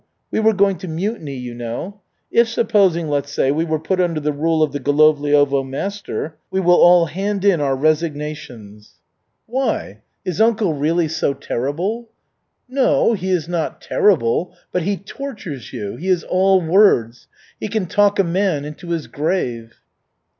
We were going to mutiny, you know. If, supposing, let's say, we are put under the rule of the Golovliovo master, we will all hand in our resignations." "Why? Is uncle really so terrible?" "No, he is not terrible, but he tortures you, he is all words. He can talk a man into his grave."